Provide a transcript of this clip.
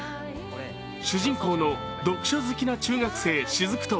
主人公の読書好きな中学生・雫と